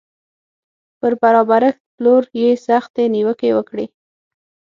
پر برابرښت پلور یې سختې نیوکې وکړې